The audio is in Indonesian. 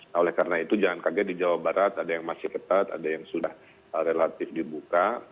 nah oleh karena itu jangan kaget di jawa barat ada yang masih ketat ada yang sudah relatif dibuka